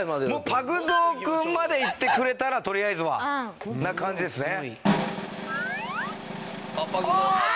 パグゾウくんまでいってくれたらとりあえずはな感じですね。